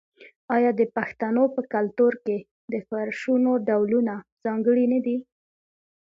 آیا د پښتنو په کلتور کې د فرشونو ډولونه ځانګړي نه دي؟